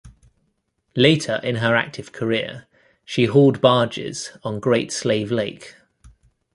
Later in her active career she hauled barges on Great Slave Lake.